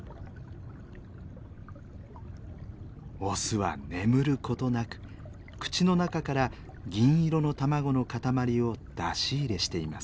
オスは眠ることなく口の中から銀色の卵の塊を出し入れしています。